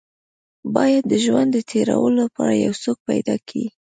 بايد د ژوند د تېرولو لپاره يو څوک پيدا کې.